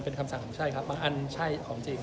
เป็นคำสั่งของใช่ครับบางอันใช่ของจริง